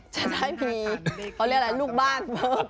จะได้มีเขาเรียกอะไรลูกบ้าน